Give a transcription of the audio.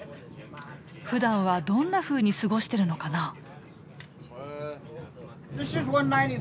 ふだんはどんなふうに過ごしてるのかな？